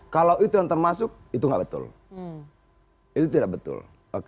kalau itu yang termasuk itu nggak betul itu tidak betul